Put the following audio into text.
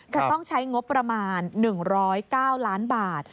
จะต้องใช้งบประมาณ๑๐๙ล้านบาท